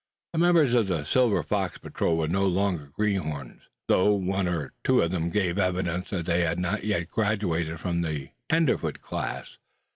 The members of the Silver Fox Patrol were no longer greenhorns, though one or two of them gave evidence that they had not yet graduated from the tenderfoot class.